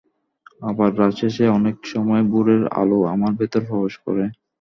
আবার রাত শেষে অনেক সময় ভোরের আলো আমার ভেতর প্রবেশ করে।